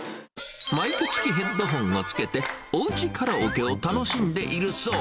マイク付きヘッドホンを着けて、おうちカラオケを楽しんでいるそう。